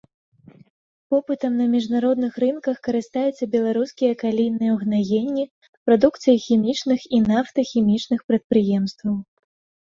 Попытам на міжнародных рынках карыстаюцца беларускія калійныя ўгнаенні, прадукцыя хімічных і нафтахімічных прадпрыемстваў.